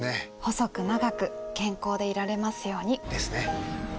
細く長く健康でいられますように。ですね。